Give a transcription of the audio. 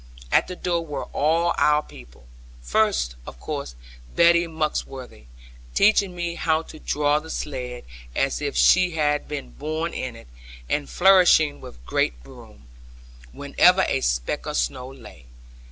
At the door were all our people; first, of course, Betty Muxworthy, teaching me how to draw the sledd, as if she had been born in it, and flourishing with a great broom, wherever a speck of snow lay.